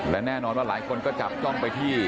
และแน่นอนว่าหลายคนก็จับจ้องไปที่